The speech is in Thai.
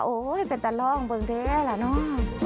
โอ้โฮเป็นตัดลองเบื้องแด้ล่ะเนอะ